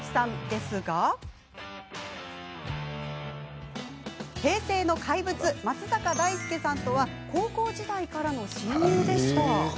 ですが平成の怪物・松坂大輔さんとは高校時代からの親友でした。